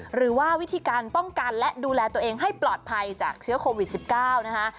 หรือว่าวิธีการป้องกันและดูแลตัวเองให้ปลอดภัยจากเชื้อโควิด๑๙นะคะ